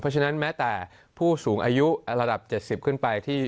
เพราะฉะนั้นแม้แต่ผู้สูงอายุระดับ๗๐ขึ้นไปที่